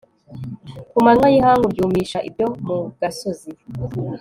ku manywa y'ihangu ryumisha ibyo mu gasozi